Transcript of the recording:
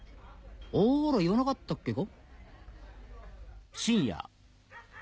あら言わなかったっけか？